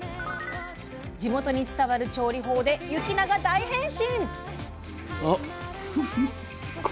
地元に伝わる調理法で雪菜が大変身！